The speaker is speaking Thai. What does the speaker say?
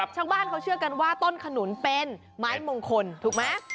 ชาวบ้านเขาเชื่อกันว่าต้นขนุนเป็นไม้มงคลถูกไหม